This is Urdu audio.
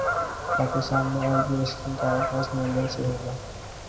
پاکستان میں عالمی ریسلنگ کا اغاز نومبر سے ہوگا